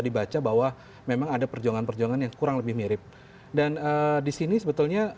dibaca bahwa memang ada perjuangan perjuangan yang kurang lebih mirip dan disini sebetulnya